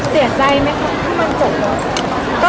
เสียใจไหมคะว่ามันจบแล้ว